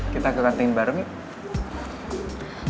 kita ke kantin bareng yuk